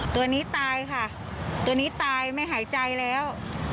ตัวนี้ตายค่ะตัวนี้ตายไม่หายใจแล้ว